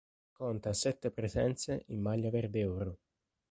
Conta sette presenze in maglia verdeoro.